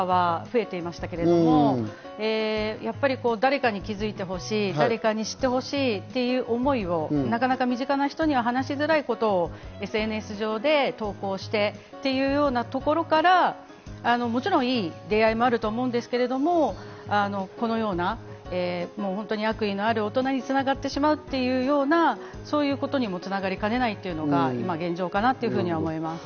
そうですね、コロナ禍は増えていましたけれども、誰かに気づいてほしい、誰かに知ってほしいという思いを身近な人に話しづらいことをＳＮＳ上で投稿して、そういうところからもちろんいい出会いもあると思うんですけれども、このような悪意のある大人につながってしまうというような、そういうことにも繋がりかねないというのが現状かなと思います。